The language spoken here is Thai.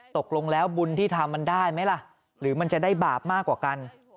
ตกลงแล้วบุญที่ทำมันได้ไหมล่ะหรือมันจะได้บาปมากกว่ากัน